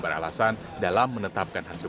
beralasan dalam menetapkan hasil